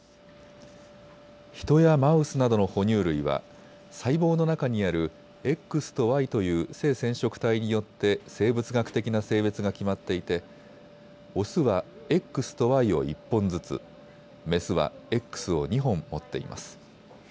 ヒトやマウスなどの哺乳類は細胞の中にあるＸとＹという性染色体によって生物学的な性別が決まっていてオスはＸとＹを１本ずつ、メスはＸを２本持っています。